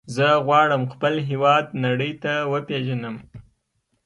زه غواړم خپل هېواد نړۍ ته وپیژنم.